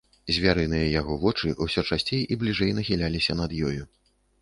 Звярыныя яго вочы ўсё часцей і бліжэй нахіляліся над ёю.